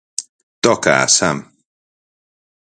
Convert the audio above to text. Tócaa, Sam!